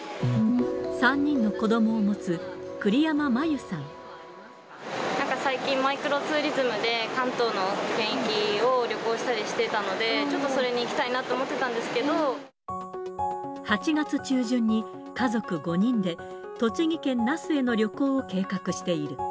３人の子どもを持つ栗山麻友なんか最近、マイクロツーリズムで、関東の圏域を旅行したりしていたので、ちょっとそれに行きたいな８月中旬に家族５人で、栃木県那須への旅行を計画している。